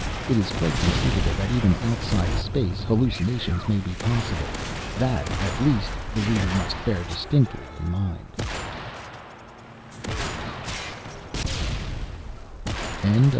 It is quite conceivable that even outside space hallucinations may be possible. That, at least, the reader must bear distinctly in mind.